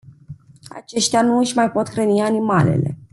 Aceștia nu își mai pot hrăni animalele.